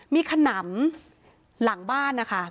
มีขนำหลังบ้านนะคะ